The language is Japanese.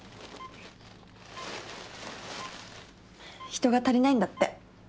人が足りないんだって。